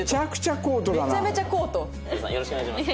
よろしくお願いします。